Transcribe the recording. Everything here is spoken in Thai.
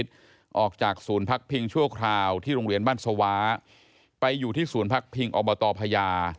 ทุกคราวที่โรงเรียนบ้านสวาไปอยู่ที่ศูนย์พักพิงอบตพญา